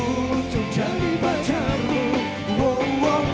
untuk jadi pacarmu